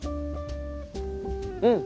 うん！